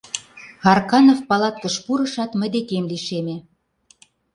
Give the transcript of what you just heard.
Арканов палаткыш пурышат, мый декем лишеме.